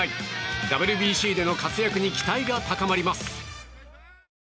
ＷＢＣでの活躍に期待が高まります。